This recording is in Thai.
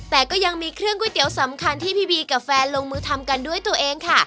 แต่ก็ยังมีเครื่องก๋วยเตี๋ยวสำคัญที่พี่บีกับแฟนลงมือทำกันด้วยตัวเองค่ะ